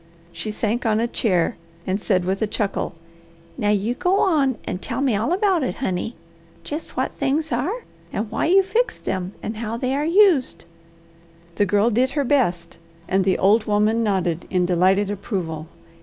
She sank on a chair and said with a chuckle, "Now you go on and tell me all about it, honey. Jest what things are and why you fixed them, and how they are used." The Girl did her best, and the old woman nodded in delighted approval.